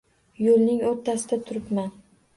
Yo’lning o’rtasida turibman.